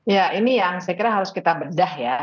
ya ini yang saya kira harus kita bedah ya